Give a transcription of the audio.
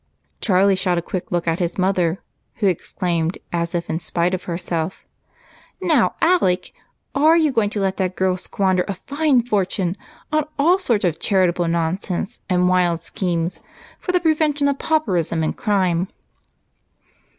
Charlie shot a quick look at his mother, who exclaimed, as if in spite of herself, "Now, Alec, are you going to let that girl squander a fine fortune on all sorts of charitable nonsense and wild schemes for the prevention of pauperism and crime?"